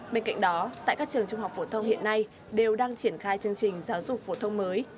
bên cạnh đó tại các trường trung học phổ thông hiện nay đều đang triển khai chương trình giáo dục phổ thông mới